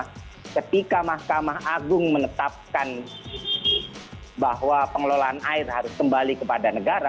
karena ketika mahkamah agung menetapkan bahwa pengelolaan air harus kembali kepada negara